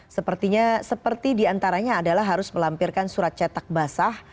sepertinya seperti diantaranya adalah harus melampirkan surat cetak basah